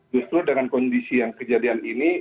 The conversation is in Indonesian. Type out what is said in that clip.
justru dengan kondisi yang kejadian ini